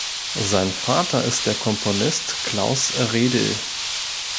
Sein Vater ist der Komponist Claus Redl.